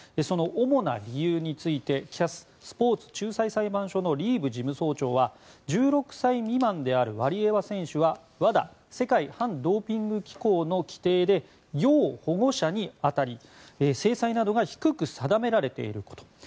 その主な理由についてＣＡＳ・スポーツ仲裁裁判所のリーブ事務総長は１６歳未満であるワリエワ選手はＷＡＤＡ・世界反ドーピング機構の規程で要保護者に当たり制裁などが低く定められていること。